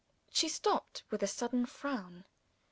She stopped, with a sudden frown.